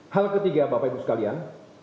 hal ketiga bapak ibu sekalian